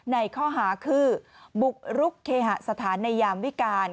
ในข้อหาคือบุกรุกเคหสถานในยามวิการ